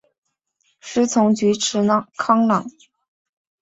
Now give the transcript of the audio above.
师从菊池康郎。